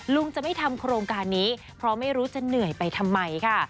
ลุงจะไม่ทำโครงการนี้เพราะไม่รู้จะเหนื่อยไปทำไมค่ะ